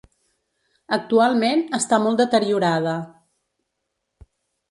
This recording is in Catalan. Actualment està molt deteriorada.